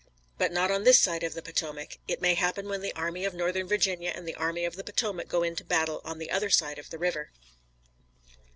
"But not on this side of the Potomac. It may happen when the Army of Northern Virginia and the Army of the Potomac go into battle on the other side of the river."